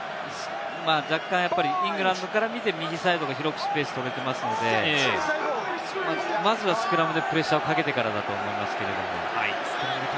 若干イングランドから見て、右サイドが広くスペース取れていますのでまずはスクラムでプレッシャーをかけてからだと思いますけれど。